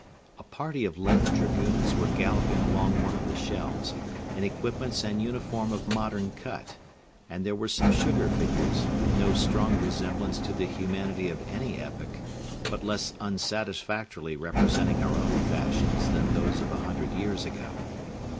A party of leaden dragoons were galloping along one of the shelves, in equipments and uniform of modern cut; and there were some sugar figures, with no strong resemblance to the humanity of any epoch, but less unsatisfactorily representing our own fashions than those of a hundred years ago.